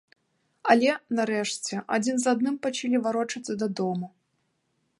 Але, нарэшце, адзін за адным пачалі варочацца дадому.